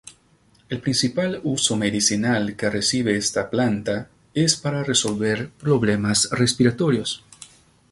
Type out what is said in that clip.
El principal uso medicinal que recibe esta planta es para resolver problemas respiratorios.